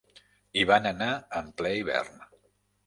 Hi van anar en ple hivern.